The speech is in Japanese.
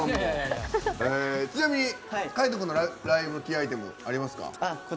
ちなみに海人君のライブキーアイテムありますか？